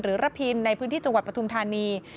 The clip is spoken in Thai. ระพินในพื้นที่จังหวัดปทุมธานี